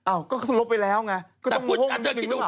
อ้าวก็ลบไปแล้วไง